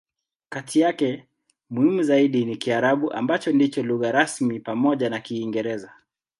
Kati yake, muhimu zaidi ni Kiarabu, ambacho ndicho lugha rasmi pamoja na Kiingereza.